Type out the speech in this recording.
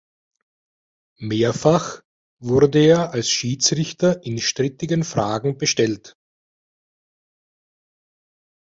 Mehrfach wurde er als Schiedsrichter in strittigen Fragen bestellt.